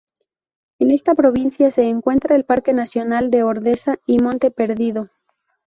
En esta provincia se encuentra el Parque nacional de Ordesa y Monte Perdido.